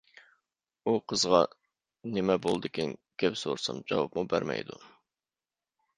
ئۇ قىزغا نېمە بولدىكىن گەپ سورىسام جاۋابمۇ بەرمەيدۇ.